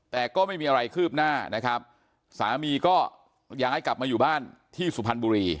แต่ก็ไม่มีอะไรคืบหน้านะครับสามีก็ย้ายกลับมาอยู่บ้านที่สุพรรณบุรี